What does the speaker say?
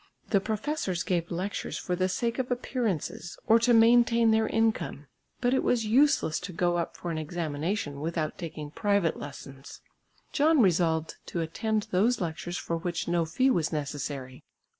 The professors gave lectures for the sake of appearances or to maintain their income, but it was useless to go up for an examination without taking private lessons. John resolved to attend those lectures for which no fee was necessary.